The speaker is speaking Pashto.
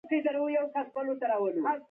ټولنو ترمنځ ژورو درزونو ته لار هواره کړې وای.